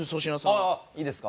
ああいいですか。